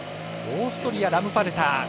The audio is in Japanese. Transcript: オーストリア、ラムパルター。